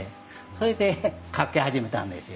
それで描き始めたんですよ。